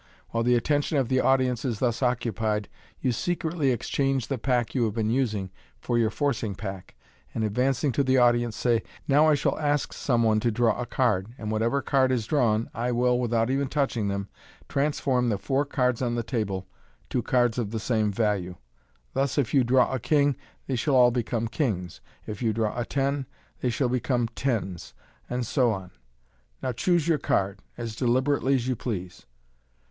While the attention of the audience is thus occu pied; you secretly exchange the pack you have been using for your forcing pack, and advancing to the audience say, "Now I shall t&k some jne to draw a card \ and whatever card is drawn, 1 wili MODERN MAGIC, io.f without even touching them, transform the four cards on the table to cards of the same value. Thus, if you draw a king they shall all become kings j if you draw a ten, they shall become tens, and so on. Now, choose your card, as deliberately as you please."